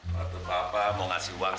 waktu papa mau ngasih uang